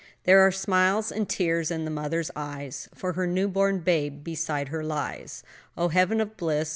"There are smiles and tears in the mother's eyes For her new born babe beside her lies; Oh, heaven of bliss!